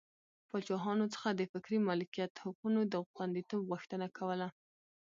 پاچاهانو څخه د فکري مالکیت حقونو د خوندیتوب غوښتنه کوله.